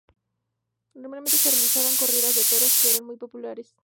Normalmente se realizaban corridas de toros que eran muy populares.